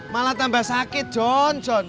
malah tambah sakit john john